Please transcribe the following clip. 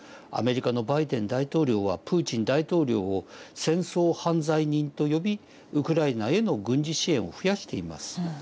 アメリカのバイデン大統領はプーチン大統領を戦争犯罪人と呼びウクライナへの軍事支援を増やしています。